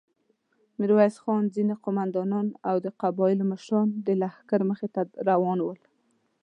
ميرويس خان، ځينې قوماندانان او د قبيلو مشران د لښکر مخې ته روان ول.